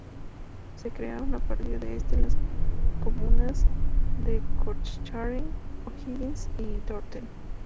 Se crearon, a partir de este, las comunas de Cochrane, O’Higgins y Tortel.